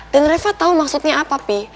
dan reva tau maksudnya apa pi